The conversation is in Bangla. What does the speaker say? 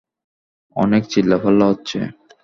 অনেক চিল্লাপাল্লা হচ্ছে।